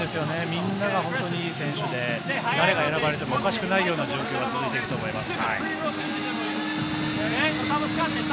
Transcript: みんなが良い選手で誰が選ばれてもおかしくない状況が続いていくと思います。